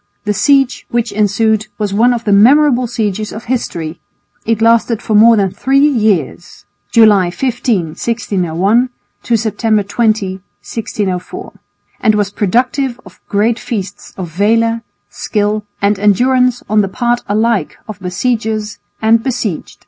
The siege which ensued was one of the memorable sieges of history, it lasted for more than three years (July 15,1601, to September 20,1604) and was productive of great feats of valour, skill and endurance on the part alike of besiegers and besieged.